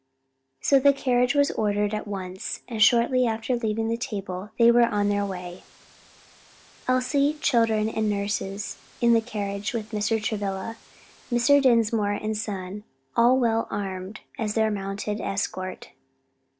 So the carriage was ordered at once, and shortly after leaving the table they were on their way Elsie, children and nurses in the carriage, with Mr. Travilla, Mr. Dinsmore and son, all well armed, as their mounted escort.